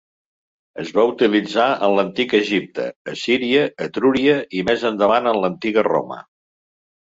Es va utilitzar en l'Antic Egipte, Assíria, Etrúria i més endavant en l'Antiga Roma.